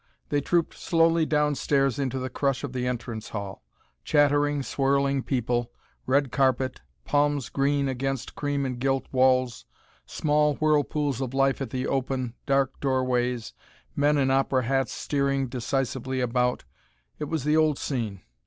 They trooped slowly down stairs into the crush of the entrance hall. Chattering, swirling people, red carpet, palms green against cream and gilt walls, small whirlpools of life at the open, dark doorways, men in opera hats steering decisively about it was the old scene.